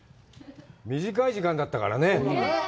短い時間だったからね。